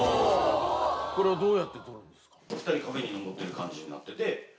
これをどうやって撮るんですか？